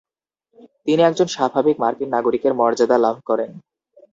তিনি একজন স্বাভাবিক মার্কিন নাগরিকের মর্যাদা লাভ করেন।